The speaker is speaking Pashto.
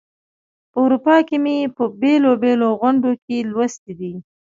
په اروپا کې مي په بېلو بېلو غونډو کې لوستې دي.